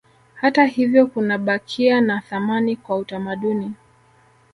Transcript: Hata hivyo kunabakia na thamani kwa utamaduni